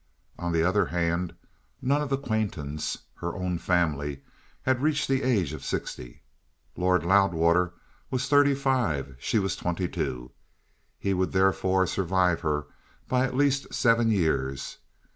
On the other hand, none of the Quaintons, her own family, had reached the age of sixty. Lord Loudwater was thirty five; she was twenty two; he would therefore survive her by at least seven years.